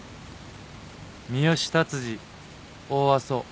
三好達治『大阿蘇』